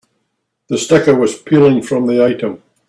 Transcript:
The sticker was peeling from the item.